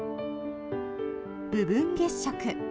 部分月食。